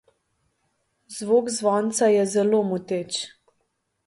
Zvok zvonca je zelo moteč.